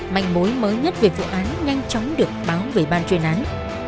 mạnh mối mới nhất về vụ án nhanh chóng được báo về ban truyền án